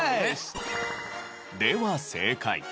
では正解。